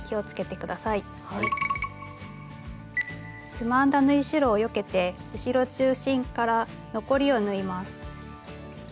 つまんだ縫い代をよけて後ろ中心から残りを縫います。